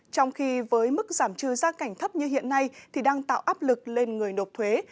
trong khi với mức giảm trừ gia cảnh thấp như hiện nay thì đang tạo áp lực lên người nộp thuế